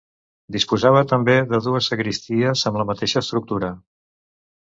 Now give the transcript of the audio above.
Disposava també de dues sagristies amb la mateixa estructura.